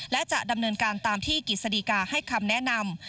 และจะดำเนินการตามที่กิจสดีกาให้คำแนะนำ